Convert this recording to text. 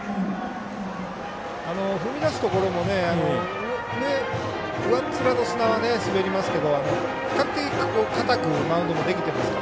踏み出すところも上っ面の砂は滑りますけど比較的、硬くマウンドもできていますから。